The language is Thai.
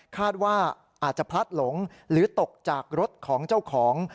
คาดว่าอาจจะพลัดหลงหรือตกจากรถของเจ้าของ